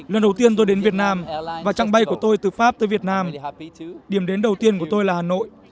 lần đầu tiên tôi đến việt nam và trạng bay của tôi từ pháp tới việt nam điểm đến đầu tiên của tôi là hà nội